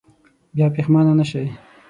بیا پښېمانه نه شئ.